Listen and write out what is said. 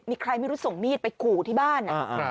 มีใครไม่รู้ส่งมีดไปขู่ที่บ้าน